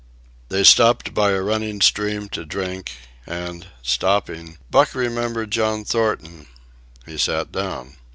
They stopped by a running stream to drink, and, stopping, Buck remembered John Thornton. He sat down.